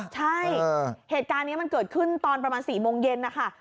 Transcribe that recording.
ใช่เหตุการณ์นี้มันเกิดขึ้นตอนประมาณ๔โมงเย็นนะคะ